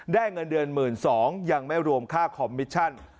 เงินเดือน๑๒๐๐ยังไม่รวมค่าคอมมิชชั่น